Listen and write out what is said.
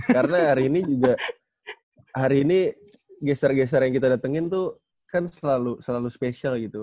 karena hari ini juga hari ini geser geser yang kita datengin tuh kan selalu spesial gitu